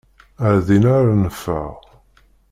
Ar dinna ara neffeɣ.